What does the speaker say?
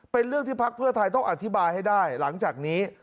เป็นเรื่องที่พักเพื่อไทยต้องอธิบายให้ได้หลังจากนี้